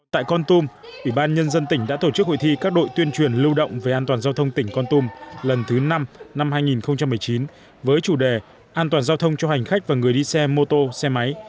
tại con tum ủy ban nhân dân tỉnh đã tổ chức hội thi các đội tuyên truyền lưu động về an toàn giao thông tỉnh con tum lần thứ năm năm hai nghìn một mươi chín với chủ đề an toàn giao thông cho hành khách và người đi xe mô tô xe máy